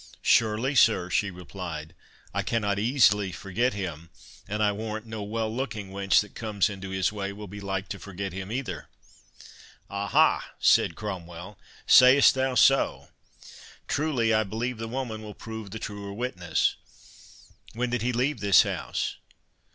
"Surely, sir," she replied, "I cannot easily forget him; and I warrant no well looking wench that comes into his way will be like to forget him either." "Aha," said Cromwell, "sayst thou so? truly I believe the woman will prove the truer witness.—When did he leave this house?"